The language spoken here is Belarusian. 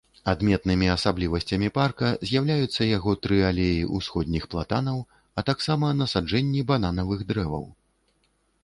Адметнымі асаблівасцямі парка з'яўляюцца яго тры алеі ўсходніх платанаў, а таксама насаджэнні бананавых дрэваў.